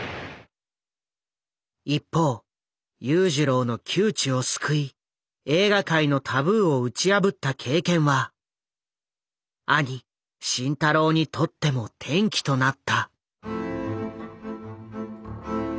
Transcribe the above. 一方裕次郎の窮地を救い映画界のタブーを打ち破った経験は兄慎太郎にとっても転機となった。